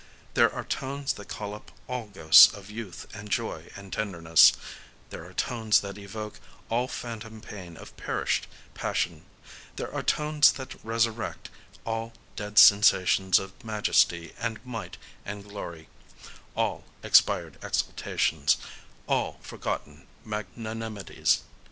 There are tones that call up all ghosts of youth and joy and tenderness;—there are tones that evoke all phantom pain of perished passion;—there are tones that resurrect all dead sensations of majesty and might and glory,—all expired exultations,—all forgotten magnanimities.